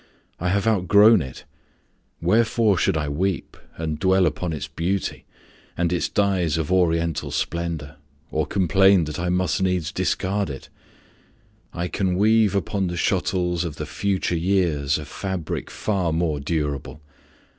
I have outgrown it. Wherefore should I weep And dwell upon its beauty, and its dyes Of oriental splendor, or complain That I must needs discard it? I can weave Upon the shuttles of the future years A fabric far more durable.